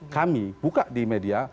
kami buka di media